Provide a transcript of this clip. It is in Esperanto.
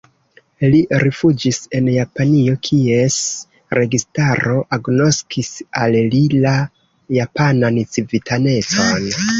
Li rifuĝis en Japanio, kies registaro agnoskis al li la japanan civitanecon.